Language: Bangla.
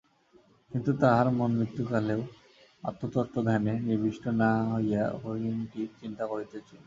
কিন্তু তাঁহার মন মৃত্যুকালেও আত্মতত্ত্বধ্যানে নিবিষ্ট না হইয়া হরিণটির চিন্তা করিতেছিল।